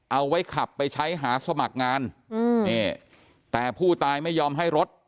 เอาไว้ขับไปใช้หาสมัครงานอืมนี่แต่ผู้ตายไม่ยอมให้รถ